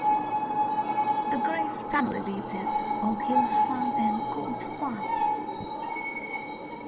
The Grace family lived at Okells Farm and Court Farm.